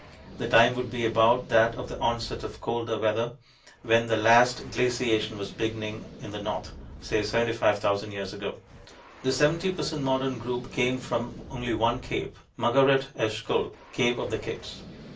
The time would be about that of the onset of colder weather, when the last glaciation was beginning in the north say 75,000 years ago. The 70 per cent modern group came from only one cave, Mugharet es Skhul ("cave of the kids").